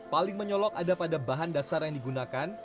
paling menyolok ada pada bahan dasar yang digunakan